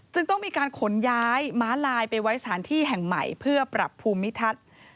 ต้องมีการขนย้ายม้าลายไปไว้สถานที่แห่งใหม่เพื่อปรับภูมิทัศน์